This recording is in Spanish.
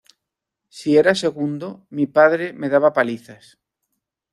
Si era segundo, mi padre me daba palizas.